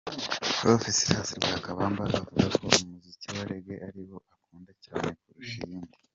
Prof Silas Lwakabamba avuga ko umuziki wa Reggae ariwo akunda cyane kurusha iyindi.